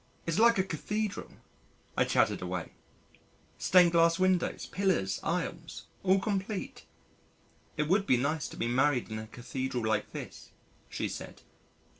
"It's like a cathedral," I chattered away, "stained glass windows, pillars, aisles all complete." "It would be nice to be married in a Cathedral like this," she said.